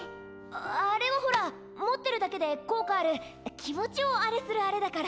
ああれはホラ持ってるだけで効果ある気持ちをアレするアレだから。